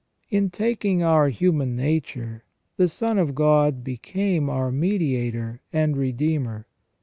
f In taking our human nature the Son of God became our mediator and redeemer.